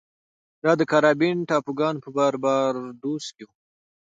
دا د کارابین ټاپوګانو په باربادوس کې و.